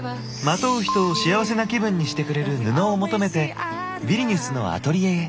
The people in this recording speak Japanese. まとう人を幸せな気分にしてくれる布を求めてヴィリニュスのアトリエへ。